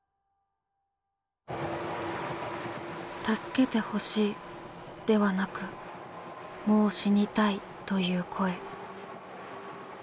「助けてほしい」ではなく「もう死にたい」という声。